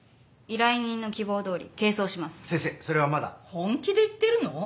本気で言ってるの？